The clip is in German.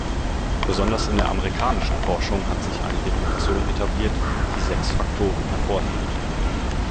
Besonders in der amerikanischen Forschung hat sich eine Definition etabliert, die sechs Faktoren hervorhebt.